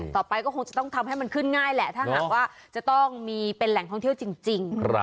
ต่อไปก็คงจะต้องทำให้มันขึ้นง่ายแหละถ้าหากว่าจะต้องมีเป็นแหล่งท่องเที่ยวจริง